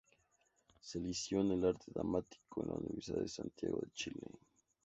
Se licenció en Arte Dramático en la Universidad de Santiago de Chile.